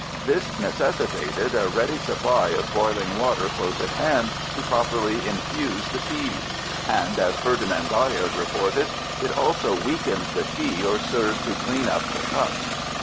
This necessitated a ready supply of boiling water close at hand to properly infuse the tea and, as Ferdinand Bayard reported, it also "weakens the tea or serves to clean up the cups."